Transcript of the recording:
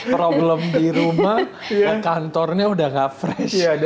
problem di rumah kantornya udah gak fresh